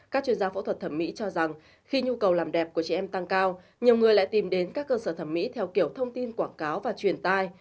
các chuyên gia phẫu thuật thẩm mỹ cho rằng khi nhu cầu làm đẹp của chị em tăng cao nhiều người lại tìm đến các cơ sở thẩm mỹ theo kiểu thông tin quảng cáo và truyền tai